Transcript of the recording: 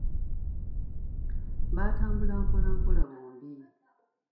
Baatambula mpola mpola bombi.